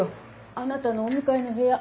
あなたのお向かいの部屋